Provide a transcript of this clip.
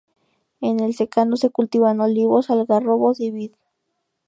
En el secano se cultivan olivos, algarrobos y vid.